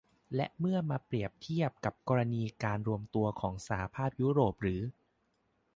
และเมื่อมาเปรียบเทียบกับกรณีการรวมตัวของสหภาพยุโรปหรือ